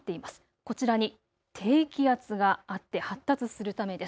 こちらに低気圧があって発達するためです。